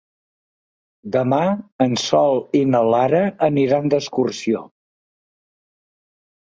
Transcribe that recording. Demà en Sol i na Lara aniran d'excursió.